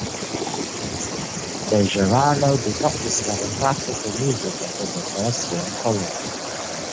Bejarano did not discover classical music until her first year in college.